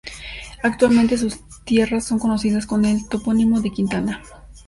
Actualmente sus tierras son conocidas con el topónimo de "Quintana".